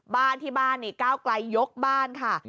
บ้านที่บ้านนี่ก้าวไกลยกบ้านค่ะ